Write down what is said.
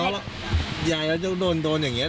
พี่ยายมันจะโดนอย่างนี้